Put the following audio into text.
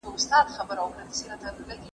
ناچاره ژونده اوس دې هره يوه منمه